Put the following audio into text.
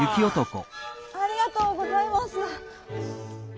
ありがとうございます。